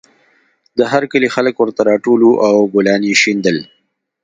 د هر کلي خلک ورته راټول وو او ګلان یې شیندل